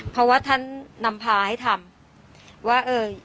เพราะว่าท่านนำพาให้ทำ